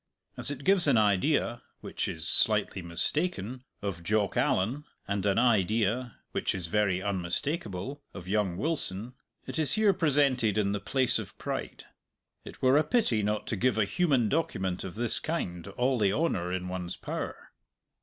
As it gives an idea which is slightly mistaken of Jock Allan, and an idea which is very unmistakable of young Wilson, it is here presented in the place of pride. It were a pity not to give a human document of this kind all the honour in one's power.